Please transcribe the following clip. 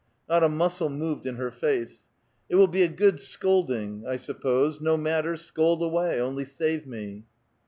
*' Not a muscle moved in her face. " It will be a good scolding [lit. head washing] , I suppose; no matter, scold away, only save me."